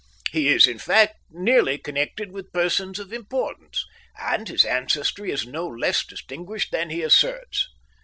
He is, in fact, nearly connected with persons of importance, and his ancestry is no less distinguished than he asserts.